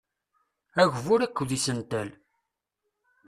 Agbur akked isental.